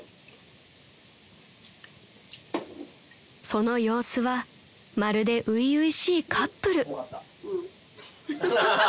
［その様子はまるで初々しいカップル］